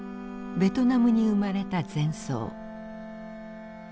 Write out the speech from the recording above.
ベトナムに生まれた禅僧。